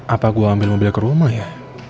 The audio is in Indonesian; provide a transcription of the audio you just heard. apa gue ambil mobil ke rumah ya